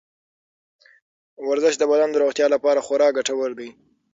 ورزش د بدن د روغتیا لپاره خورا ګټور دی.